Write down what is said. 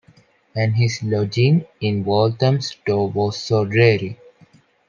And his lodging in Walthamstow was so dreary.